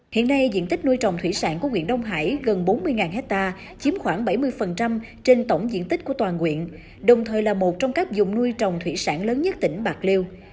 hiện nay diện tích nuôi trồng thủy sản của nguyện đông hải gần bốn mươi hectare chiếm khoảng bảy mươi trên tổng diện tích của toàn quyện đồng thời là một trong các dùng nuôi trồng thủy sản lớn nhất tỉnh bạc liêu